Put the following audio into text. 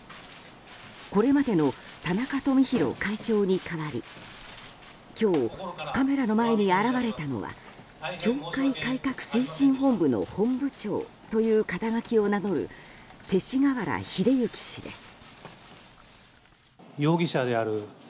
これまでの田中富広会長に代わり今日、カメラの前に現れたのは教会改革推進本部の本部長という肩書を名乗る勅使河原秀行氏です。